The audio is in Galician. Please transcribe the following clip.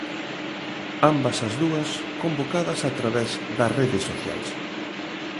Ambas as dúas convocadas a través das redes sociais.